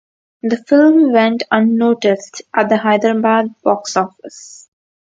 The film went unnoticed at the Hyderabad box office.